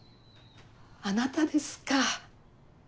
あなたですか。